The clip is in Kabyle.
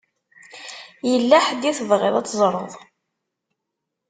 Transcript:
Yella ḥedd i tebɣiḍ ad teẓṛeḍ?